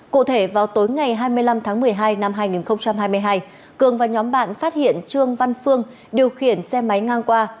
cụ thể vào tối ngày hai mươi năm tháng một mươi hai năm hai nghìn hai mươi hai cường và nhóm bạn phát hiện trương văn phương điều khiển xe máy ngang qua